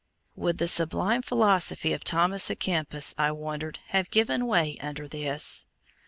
Would the sublime philosophy of Thomas a Kempis, I wondered, have given way under this?